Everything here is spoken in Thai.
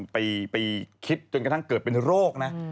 ไปคิดจนกระทั่งเกิดเป็นโรคนะ